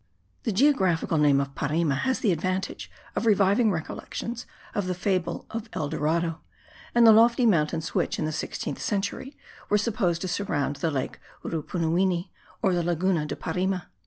The geographical name of Parime has the advantage of reviving recollections of the fable of El Dorado, and the lofty mountains which, in the sixteenth century, were supposed to surround the lake Rupunuwini, or the Laguna de Parime.